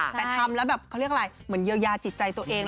แต่ทำแล้วแบบเขาเรียกอะไรเหมือนเยียวยาจิตใจตัวเอง